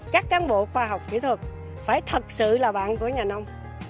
các cán bộ khoa học kỹ thuật phải thật sự là bạn của nhà nông